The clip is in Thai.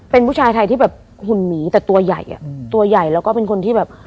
เป็นผู้ชายไทยที่แบบหุ่นหมีแต่ตัวใหญ่อ่ะตัวใหญ่แล้วก็เป็นคนที่แบบ